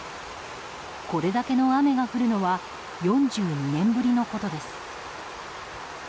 これだけの雨が降るのは４２年ぶりのことです。